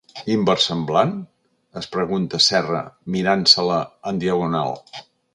Inversemblant?, es pregunta Serra, mirant-se-la en diagonal.